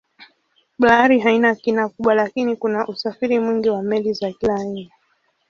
Bahari haina kina kubwa lakini kuna usafiri mwingi wa meli za kila aina.